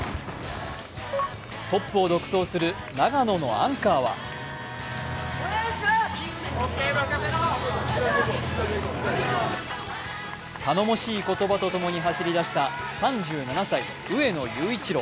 トップを独走する長野のアンカーは頼もしい言葉とともに走り出した３７歳、上野裕一郎。